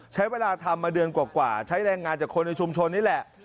ใช้เวลาทำมาเดือนกว่าใช้แรงงานจากคนในชุมชนนี่แหละ